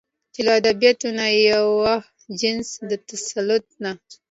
چې له ادبياتو نه د يوه جنس د تسلط نه